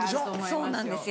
そうなんです